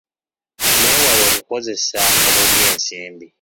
Mwewale okukozesa obubi ensimbi.